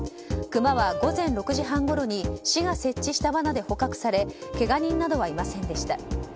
クマは午前６時半ごろに市が設置した罠で捕獲されけが人などはいませんでした。